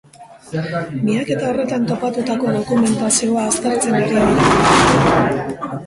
Miaketa horretan topatutako dokumentazioa aztertzen ari dira orain.